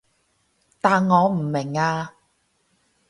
但我唔明啊